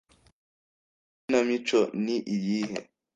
Iyo Ikinamico ni iyihe